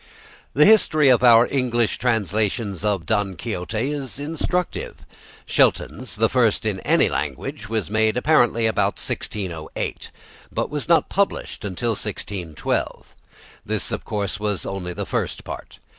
The history of our English translations of "Don Quixote" is instructive. Shelton's, the first in any language, was made, apparently, about 1608, but not published till 1612. This of course was only the First Part.